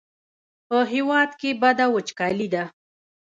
په هېواد کې بده وچکالي ده.